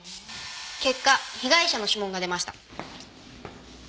結果被害者の指紋が出ました。